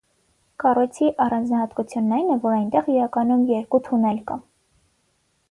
Կառույցի առանձնահատկությունն այն է, որ այնտեղ իրականում երկու թունել կա։